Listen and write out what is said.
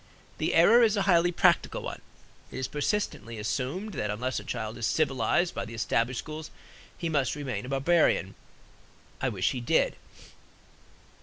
The error is a highly practical one. It is persistently assumed that unless a child is civilized by the established schools, he must remain a barbarian. I wish he did.